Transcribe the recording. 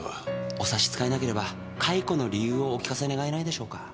お差し支えなければ解雇の理由をお聞かせ願えないでしょうか？